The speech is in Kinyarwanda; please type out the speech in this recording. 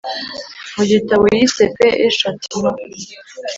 mu gitabo yise paix et châtiment.